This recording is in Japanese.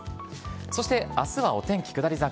そしてあすはお天気下り坂。